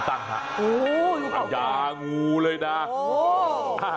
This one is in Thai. อัญญางู้เลยนะ